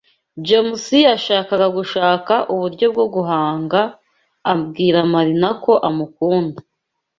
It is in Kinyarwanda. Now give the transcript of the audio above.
James yashakaga gushaka uburyo bwo guhanga abwira Marina ko amukunda.